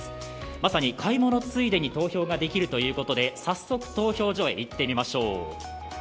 まさに買い物ついでに投票ができるということで、早速投票所へ行ってみましょう。